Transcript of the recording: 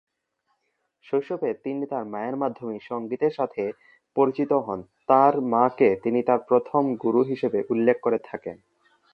শৈশবে তিনি তার মায়ের মাধ্যমেই সঙ্গীতের সাথে পরিচিত হন, তার মাকে তিনি তার প্রথম "গুরু" হিসেবে উল্লেখ করে থাকেন।